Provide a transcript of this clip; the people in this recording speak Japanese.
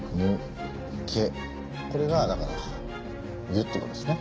これがだから「ゆ」って事ですね。